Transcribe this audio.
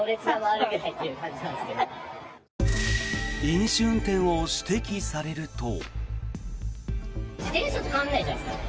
飲酒運転を指摘されると。